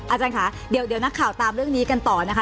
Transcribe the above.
อาจารย์ค่ะเดี๋ยวนักข่าวตามเรื่องนี้กันต่อนะคะ